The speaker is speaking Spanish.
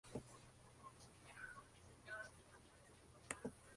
La canción de Skrillex se posicionó en varios charts de diferentes países.